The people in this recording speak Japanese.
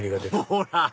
ほら！